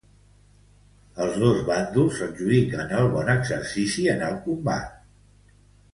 Els dos bàndols s'adjudiquen el bon exercici en el combat.